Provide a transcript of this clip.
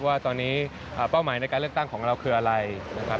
ว่าตอนนี้เป้าหมายในการเลือกตั้งของเราคืออะไรนะครับ